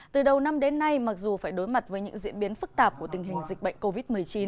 từ đầu năm đến nay mặc dù phải đối mặt với những diễn biến phức tạp của tình hình dịch bệnh covid một mươi chín